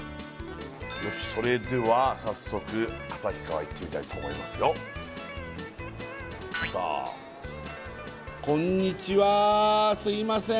よしそれでは早速旭川いってみたいと思いますよさあすみません